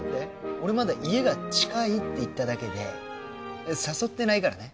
俺まだ家が近いって言っただけで誘ってないからね。